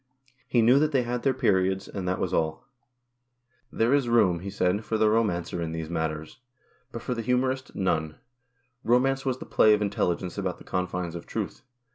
He knew that they had their periods, and that was all. 186 THE KIRK SPOOK. There is room, he said, for the romancer in. these matters; but for the humourist, none. Romance was the play of intelligence about the confines of truth.